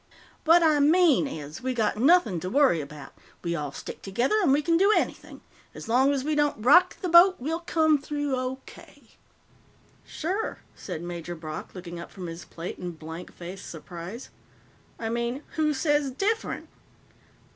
"What I mean is, we got nothing to worry about. We all stick together, and we can do anything. As long as we don't rock the boat, we'll come through O.K." "Sure," said Major Brock, looking up from his plate in blank faced surprise. "I mean, who says different?"